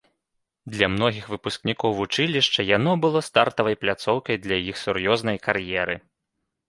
Для многіх выпускнікоў вучылішча яно было стартавай пляцоўкай для іх сур'ёзнай кар'еры.